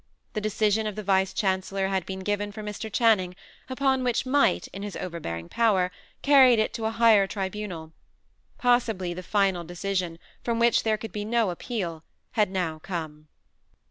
The decision of the Vice Chancellor had been given for Mr. Channing, upon which Might, in his overbearing power, carried it to a higher tribunal. Possibly the final decision, from which there could be no appeal, had now come.